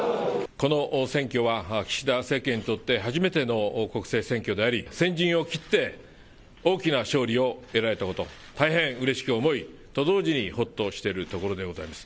この選挙は岸田政権にとって初めての国政選挙であり先陣を切って大きな勝利を得られたこと、大変うれしく思いと同時にほっとしているところでございます。